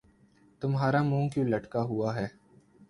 تمہارا منہ کیوں لٹکا ہوا ہے